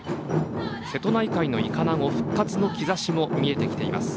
瀬戸内海のイカナゴ復活の兆しも見えてきています。